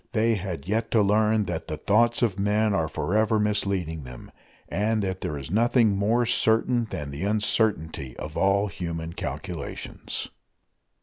They had yet to learn that the thoughts of men are forever misleading them, and that there is nothing more certain than the uncertainty of all human calculations.